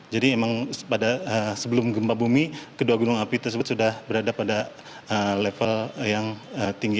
jadi emang pada sebelum gempa bumi kedua gunung api tersebut sudah berada pada level yang tinggi